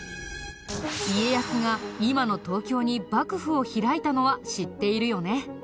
家康が今の東京に幕府を開いたのは知っているよね。